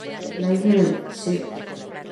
La isla de St.